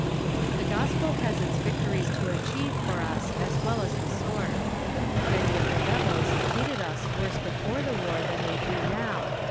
"The gospel has its victories to achieve for us as well as the sword. Many of the rebels hated us worse before the war than they do now.